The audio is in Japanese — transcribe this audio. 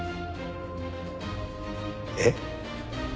えっ？